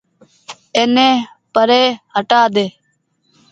اي ني پري هٽآ ۮي ۔